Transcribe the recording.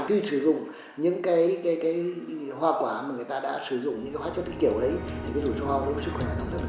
khi sử dụng những cái hoa quả mà người ta đã sử dụng những cái hoa chất kiểu ấy thì cái rủi ro của nó có sức khỏe nó rất là cao